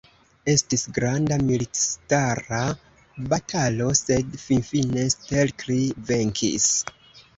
Estis granda militistara batalo, sed finfine Stelkri venkis.